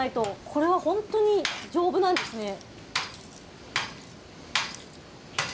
これはホントに丈夫なんですね。